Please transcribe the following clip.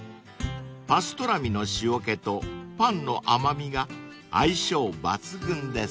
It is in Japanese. ［パストラミの塩気とパンの甘味が相性抜群です］